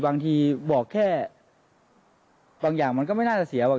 บางทีบอกแค่บางอย่างมันก็ไม่น่าจะเสียหรอก